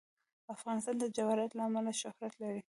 افغانستان د جواهرات له امله شهرت لري.